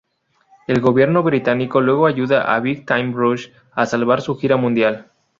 El gobierno británico luego ayuda a Big Time Rush a salvar su gira mundial.